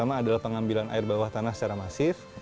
yang kedua adalah pengambilan air bawah tanah secara masif